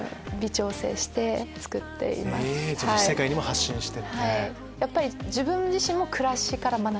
世界にも発信して。